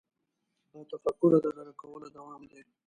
له تفکره د ډډه کولو دوام دی.